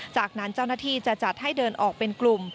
จากนั้นเจ้าหน้าที่จะจัดให้เดินออกเป็นกลุ่ม